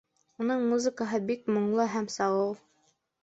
Уның музыкаһы бик моңло һәм сағыу